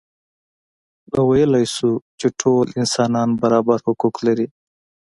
نو ویلای شو چې ټول انسانان برابر حقوق لري.